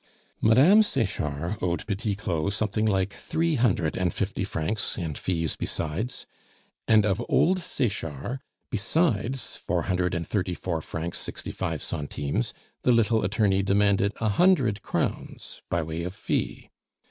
Mme. Sechard owed Petit Claud something like three hundred and fifty francs and fees besides; and of old Sechard, besides four hundred and thirty four francs, sixty five centimes, the little attorney demanded a hundred crowns by way of fee.